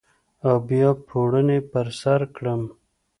او بیا پوړنی پر سرکړم